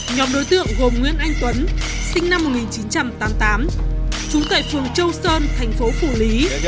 nhóm đối tượng gồm nguyễn anh tuấn sinh năm một nghìn chín trăm tám mươi tám trú tại phường châu sơn thành phố phủ lý